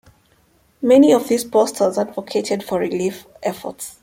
Many of these posters advocated for relief efforts.